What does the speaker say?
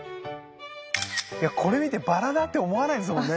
いやこれ見てバラだって思わないですもんね。